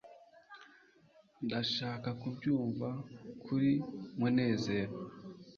ndashaka kubyumva kuri munezero